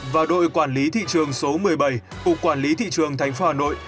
và đội quản lý thị trường số một mươi bảy cục quản lý thị trường thành phố hà nội